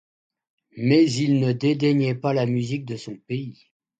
Mais, il ne dédaignait pas la musique de son pays.